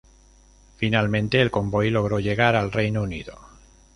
Finalmente, el convoy logró llegar al Reino Unido.